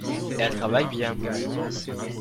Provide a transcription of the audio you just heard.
elle travaille bien.